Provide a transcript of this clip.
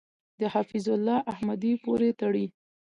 د حفیظ الله احمدی پورې تړي .